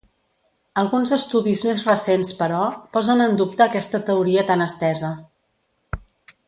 Alguns estudis més recents, però, posen en dubte aquesta teoria tan estesa.